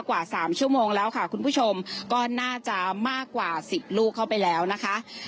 กว่าสามชั่วโมงแล้วค่ะคุณผู้ชมก็น่าจะมากกว่าสิบลูกเข้าไปแล้วนะคะ